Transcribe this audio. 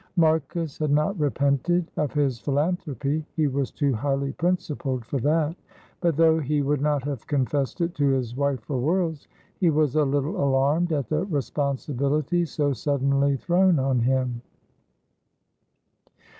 Marcus had not repented of his philanthropy, he was too highly principled for that, but though he would not have confessed it to his wife for worlds, he was a little alarmed at the responsibility so suddenly thrown on him.